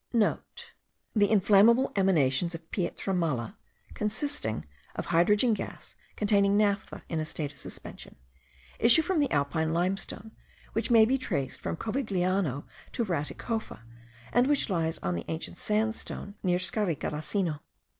(* The inflammable emanations of Pietra Mala, (consisting of hydrogen gas containing naphtha in a state of suspension) issue from the Alpine limestone, which may be traced from Covigliano to Raticofa, and which lies on ancient sandstone near Scarica l'Asino.